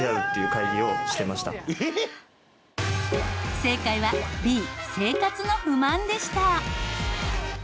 正解はＢ「生活の不満」でした。